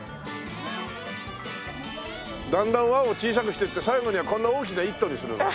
だんだん輪を小さくしていって最後にはこんな大きな１頭にする。